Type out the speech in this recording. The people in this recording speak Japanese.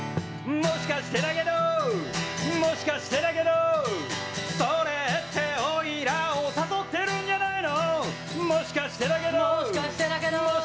もしかしてだけど、もしかしてだけど、それっておいらを誘ってるんじゃないの。